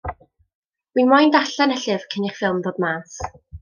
Wi moyn darllen y llyfr cyn i'r ffilm ddod mas.